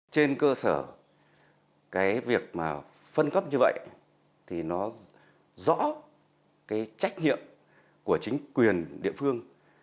trên cơ sở cái việc mà phân cấp như vậy thì nó rõ cái trách nhiệm của chính quyền địa phương